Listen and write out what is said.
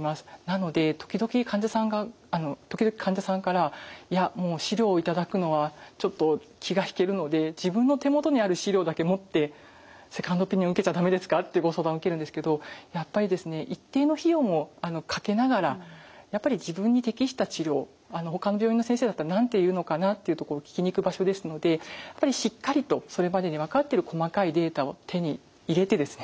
なので時々患者さんからいやもう資料を頂くのはちょっと気が引けるので自分の手元にある資料だけ持ってセカンドオピニオン受けちゃ駄目ですかってご相談受けるんですけどやっぱり一定の費用もかけながらやっぱり自分に適した治療ほかの病院の先生だったら何て言うのかなっていうところを聞きに行く場所ですのでしっかりとそれまでに分かってる細かいデータを手に入れてですね